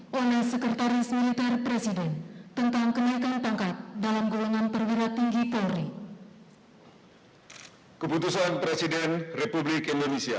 kepada komisaris jenderal polisi dr andos listio sigit pradu msi sebagai kepala kepolisian negara republik indonesia